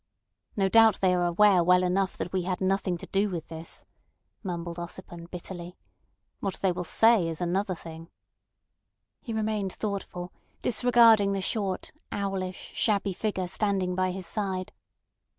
"No doubt they are aware well enough that we had nothing to do with this," mumbled Ossipon bitterly. "What they will say is another thing." He remained thoughtful, disregarding the short, owlish, shabby figure standing by his side.